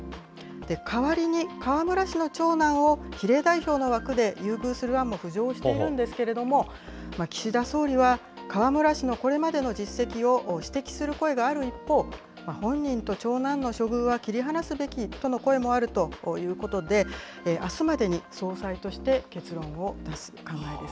代わりに、河村氏の長男を比例代表の枠で優遇する案も浮上しているんですけれども、岸田総理は河村氏のこれまでの実績を指摘する声がある一方、本人と長男の処遇は切り離すべきとの声もあるということで、あすまでに総裁として結論を出す考えです。